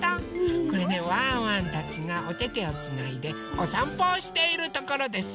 これねワンワンたちがおててをつないでおさんぽをしているところです。